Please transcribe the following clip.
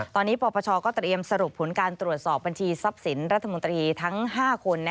ตอนนี้ปปชก็เตรียมสรุปผลการตรวจสอบบัญชีทรัพย์สินรัฐมนตรีทั้ง๕คน